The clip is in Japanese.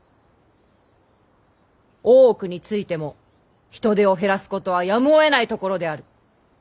大奥についても人手を減らすことはやむをえないところである。